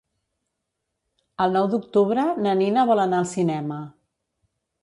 El nou d'octubre na Nina vol anar al cinema.